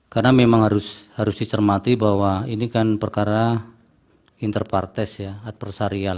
karena memang harus dicermati bahwa ini kan perkara interpartes ya adversarial